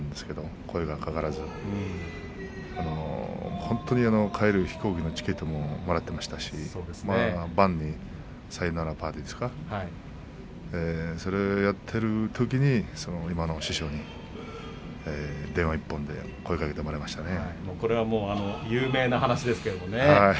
声がかからず帰る飛行機のチケットももらっていましたしさよならパーティーですかそれをやっているときに今の師匠に電話１本で声をかけてもらいま有名な話ですね。